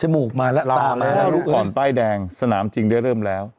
จมูกมานะตามาพี่พี่พ่อพอร์มป้ายแดงสนามจริงเด็กเริ่มแล้ว